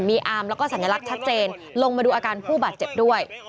มีอามแล้วก็สัญลักษณ์ชัดเจนลงมาดูอาการผู้บาดเจ็บด้วย